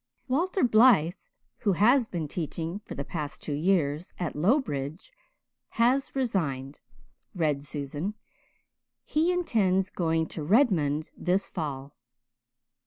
"'Walter Blythe, who has been teaching for the past two years at Lowbridge, has resigned,'" read Susan. "'He intends going to Redmond this fall.'"